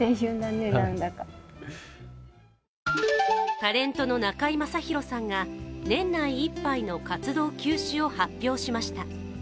タレントの中居正広さんが年内いっぱいの活動休止を発表しました。